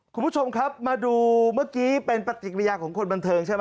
คุณผู้ชมครับมาดูเมื่อกี้เป็นปฏิกิริยาของคนบันเทิงใช่ไหม